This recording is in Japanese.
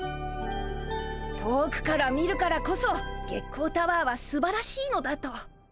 遠くから見るからこそ月光タワーはすばらしいのだと。